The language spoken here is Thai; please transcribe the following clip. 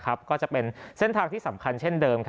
ก็จะเป็นเส้นทางที่สำคัญเช่นเดิม